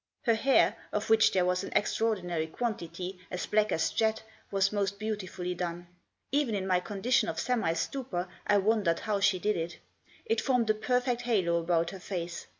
Her hair, of which there was an extraordinary quantity, as black as jet, was most beautifully done. Even in my condition of semi stupor I wondered how she did it. It formed a perfect halo about her face.